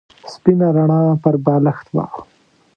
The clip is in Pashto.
سپینه رڼا پر بالښت وه.